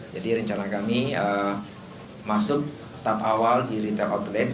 jadi rencana kami masuk tahap awal di retail outlet